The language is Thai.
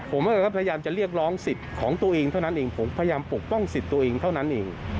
ผมก็พยายามจะเรียกร้องสิทธิ์ของตัวเองเท่านั้นเองผมพยายามปกป้องสิทธิ์ตัวเองเท่านั้นเอง